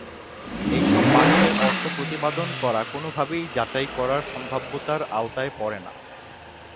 এইসব বাক্যের অর্থ প্রতিপাদন করা কোনোভাবেই যাচাই করার সম্ভাব্যতার আওতায় পড়ে না।